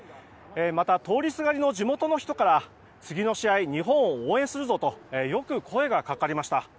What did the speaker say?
また通りすがりに地元の人から次の試合日本を応援するぞとよく声がかかりました。